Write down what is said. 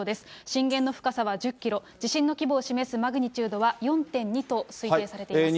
震源の深さは１０キロ、地震の規模を示すマグニチュードは４．２と推定されています。